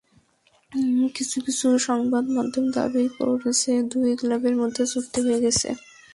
কিছু কিছু সংবাদমাধ্যম দাবি করছে, দুই ক্লাবের মধ্যে চুক্তি হয়ে গেছে।